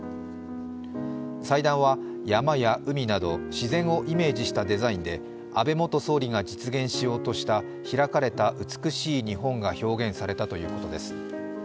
祭壇は、山や海など自然をイメージしたデザインで安倍元総理が実現しようとした開かれた美しい日本が表現されたということです。